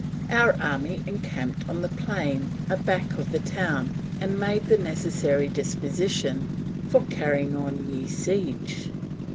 Our Army encamped on the plain a back of the Town and made the necessary disposition for carrying on ye siege.